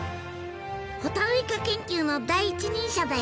ホタルイカ研究の第一人者だよ。